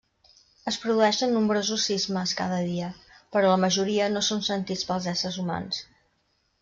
Es produeixen nombrosos sismes cada dia, però la majoria no són sentits pels éssers humans.